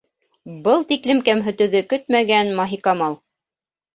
Был тиклем кәмһетеүҙе көтмәгән Маһикамал: